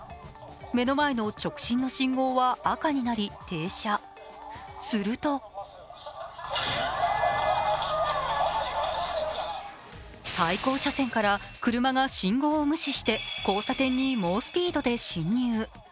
目の前の直進の信号は赤になり停車、すると対向車線から車が信号を無視して交差点に猛スピードで進入。